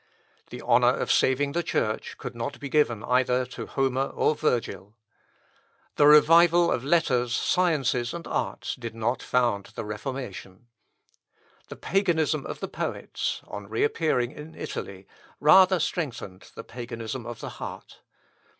The honour of saving the Church could not be given either to Homer or Virgil. The revival of letters, sciences, and arts did not found the Reformation. The Paganism of the poets, on reappearing in Italy, rather strengthened the Paganism of the heart.